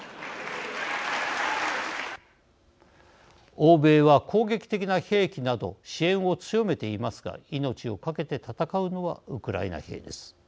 欧米は攻撃的な兵器など支援を強めていますが命を懸けて戦うのはウクライナ兵です。